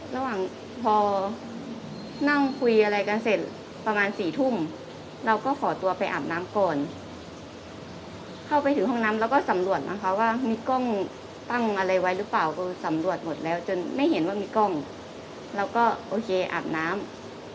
ระหว่างพอนั่งคุยอะไรกันเสร็จประมาณ๔ทุ่มเราก็ขอตัวไปอาบน้ำก่อนเข้าไปถึงห้องน้ำแล้วก็สำรวจนะคะว่ามีกล้องตั้งอะไรไว้หรือเปล่าคือสำรวจหมดแล้วจนไม่เห็นว่ามีกล้องเราก็โอเคอาบน้ำ